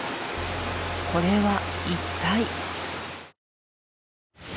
これは一体？